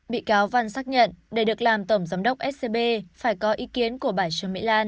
bị cáo văn xác nhận để được làm tổng giám đốc scb phải có ý kiến của bà trương mỹ lan